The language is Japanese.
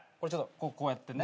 こうやってね。